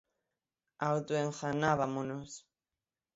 Autoenganábamonos.